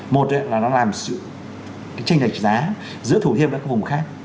một là nó làm sự tranh đạch giá giữa thủ thiêm và các vùng khác